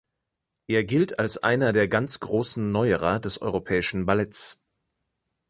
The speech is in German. Er gilt als einer der ganz großen Neuerer des europäischen Balletts.